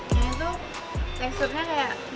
ini tuh teksturnya kayak